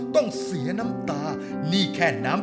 ขอบคุณค่ะ